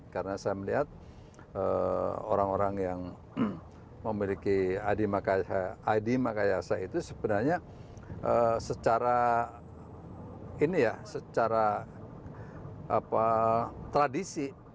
karena saya melihat orang orang yang memiliki adi makayasa itu sebenarnya secara tradisi